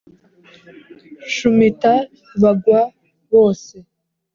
nshumita bagwa, bose